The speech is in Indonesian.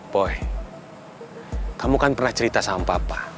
boy kamu kan pernah cerita sama papa